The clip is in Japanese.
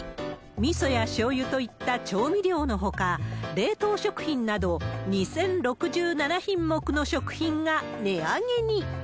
みそやしょうゆといった調味料のほか、冷凍食品など、２０６７品目の食品が値上げに。